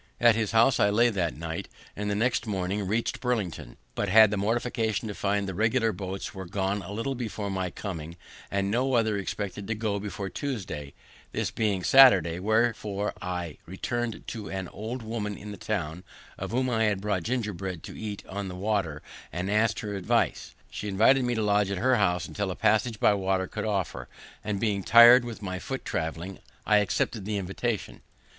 At his house I lay that night, and the next morning reach'd Burlington, but had the mortification to find that the regular boats were gone a little before my coming, and no other expected to go before Tuesday, this being Saturday; wherefore I returned to an old woman in the town, of whom I had bought gingerbread to eat on the water, and ask'd her advice. She invited me to lodge at her house till a passage by water should offer; and being tired with my foot traveling, I accepted the invitation.